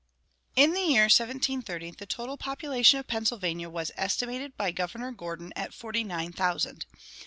In the year 1730 the total population of Pennsylvania was estimated by Governor Gordon at forty nine thousand.